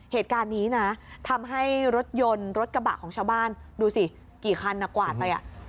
เหตุการณ์นี้นะทำให้รถยนต์รถกระบะของชาวบ้านดูสิกี่คันกวาดไปอ่ะ